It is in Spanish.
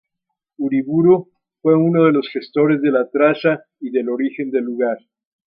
Uriburu fue uno de los gestores de la traza y del origen del lugar.